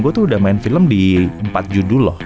gue tuh udah main film di empat judul loh